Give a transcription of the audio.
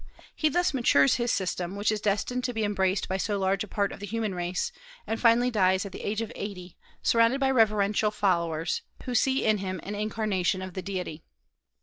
He thus matures his system, which is destined to be embraced by so large a part of the human race, and finally dies at the age of eighty, surrounded by reverential followers, who see in him an incarnation of the Deity.